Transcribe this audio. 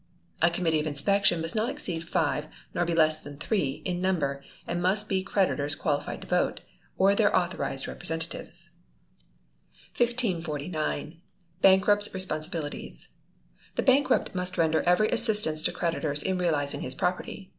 A committee of inspection must not exceed five, nor be less than three, in number, and must be creditors qualified to vote, or their authorised representatives. 1549. Bankrupt's Responsibilities. The bankrupt must render every assistance to creditors in realizing his property.